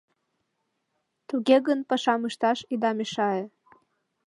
Туге гын, пашам ышташ ида мешае.